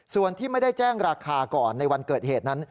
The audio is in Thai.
ส่วนที่ไม่ได้แจ้งราคาก่อนในวันเกิดเหตุนั้น